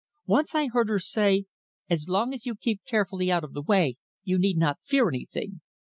Once I heard her say, 'As long as you keep carefully out of the way, you need not fear anything.